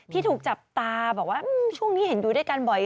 ที่ถูกจับตาบอกว่าช่วงนี้เห็นอยู่ด้วยกันบ่อย